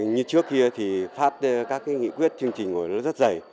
như trước kia thì phát các nghị quyết chương trình ngồi nó rất dày